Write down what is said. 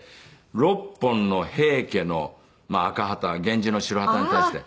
六本の平家の赤旗源氏の白旗に対して。